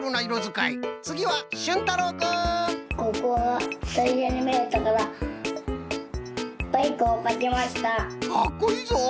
かっこいいぞ！